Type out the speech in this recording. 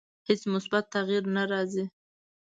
هیڅ مثبت تغییر نه راځي.